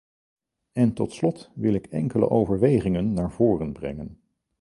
En tot slot wil ik enkele overwegingen naar voren brengen.